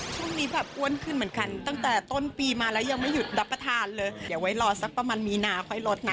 ช่วงนี้แบบอ้วนขึ้นเหมือนกันตั้งแต่ต้นปีมาแล้วยังไม่หยุดรับประทานเลยเดี๋ยวไว้รอสักประมาณมีนาค่อยลดนะ